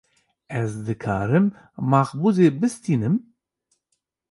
Ez dikarim makbûzê bistînim?